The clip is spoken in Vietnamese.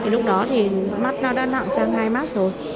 lúc đó thì mắt nó đã nặng sang hai mắt rồi